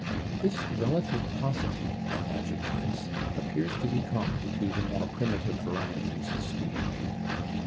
This relative paucity of adjectives appears to be common to the more primitive varieties of speech.